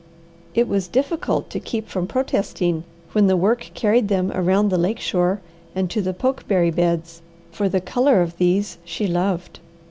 It was difficult to keep from protesting when the work carried them around the lake shore and to the pokeberry beds, for the colour of these she loved.